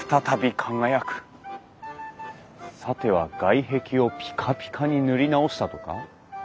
さては外壁をピカピカに塗り直したとか？